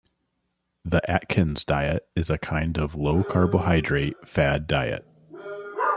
The Atkins diet is a kind of low-carbohydrate fad diet.